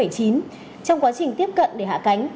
trong quá trình tiếp cận để hạ cánh